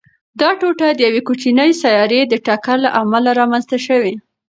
دا ټوټه د یوې کوچنۍ سیارې د ټکر له امله رامنځته شوې.